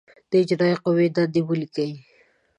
د اجرائیه قوې دندې ولیکئ.